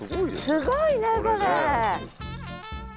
すごいねこれ。